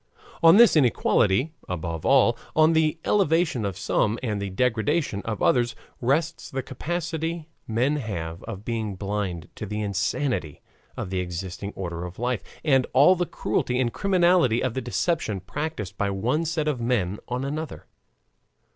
On this inequality, above all, on the elevation of some and the degradation of others, rests the capacity men have of being blind to the insanity of the existing order of life, and all the cruelty and criminality of the deception practiced by one set of men on another.